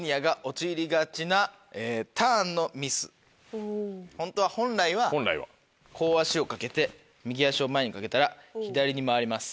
それではホントは本来はこう足を掛けて右足を前に掛けたら左に回ります。